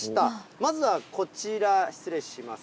まずはこちら、失礼します。